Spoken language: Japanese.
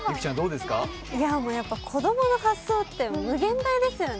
子供の発想って無限大ですよね。